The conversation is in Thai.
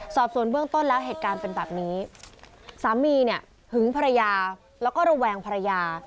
สอบส่วนเบื้องต้นแล้วเหตุการณ์เป็นแบบนี้สามีเนี่ยหึงภรรยาแล้วก็ระแวงภรรยา